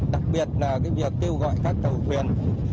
đặc biệt là việc kêu gọi các tàu huyền